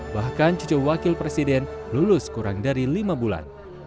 bahkan cucu wakil presiden lulus kurang dari lima bulan